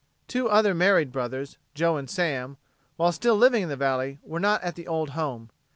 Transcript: Two other married brothers, Joe and Sam, while still living in the valley, were not at the old home.